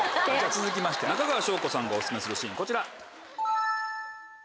続きまして中川翔子さんがオススメするシーンこちら。